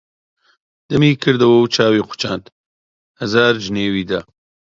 دەمی کردوە و چاوی قوچاند، هەزار جنێوی دا: